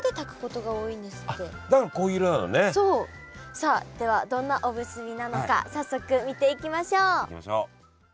さあではどんなおむすびなのか早速見ていきましょう。